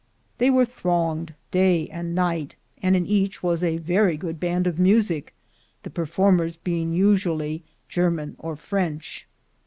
They were thronged day and night, and in each was a very good band of music, the per formers being usually German or French..